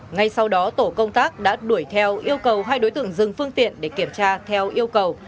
ngay sau đó tổ công tác đã đuổi theo yêu cầu hai đối tượng dừng phương tiện để kiểm tra theo yêu cầu